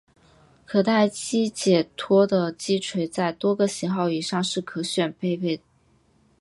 可待击解脱的击锤在多个型号以上是可选配备。